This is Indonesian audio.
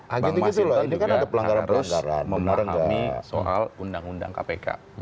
bang masjid juga harus memahami soal undang undang kpk